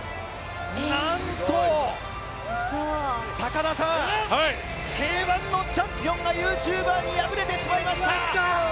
何と高田さんＫ‐１のチャンピオンがユーチューバーに敗れてしまいました。